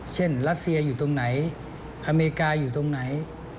รัสเซียอยู่ตรงไหนอเมริกาอยู่ตรงไหน